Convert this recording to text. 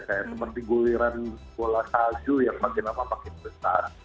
kayak seperti guliran bola salju yang makin lama makin besar